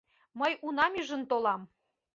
Мый унам ӱжын толам.